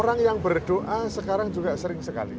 orang yang berdoa sekarang juga sering sekali